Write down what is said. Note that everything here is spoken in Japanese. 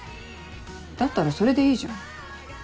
だったらそれでいいじゃん。